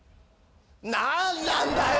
何なんだよ！